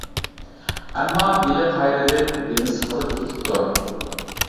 ئەمما بېلى قايرىلىپ، دېمى سىقىلىپ كېتىپتۇ.